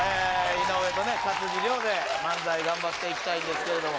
井上と勝地涼で漫才頑張っていきたいですけれども。